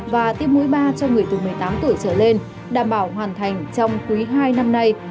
và tiêm mũi ba cho người từ một mươi tám tuổi trở lên đảm bảo hoàn thành trong quý hai năm nay